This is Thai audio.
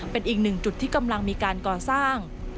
เป็นอีกหนึ่งจุดที่กำลังมีการก่อสร้าง